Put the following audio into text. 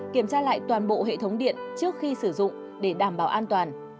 kiểm tra lại toàn bộ hệ thống điện trước khi sử dụng để đảm bảo an toàn